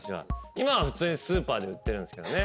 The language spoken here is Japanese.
今は普通にスーパーで売ってるんすけどね。